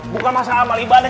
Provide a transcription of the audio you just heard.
bukan masalah amal ibadah